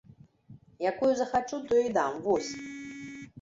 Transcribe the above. Якую захачу, тую і дам, вось!